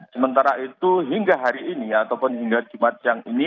sementara itu hingga hari ini ataupun hingga jumat siang ini